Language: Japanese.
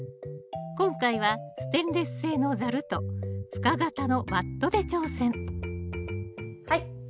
今回はステンレス製のザルと深型のバットで挑戦はい。